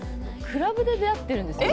クラブで出会ってるんですよ。